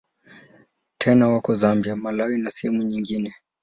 Tena wako Zambia, Malawi na sehemu nyingine.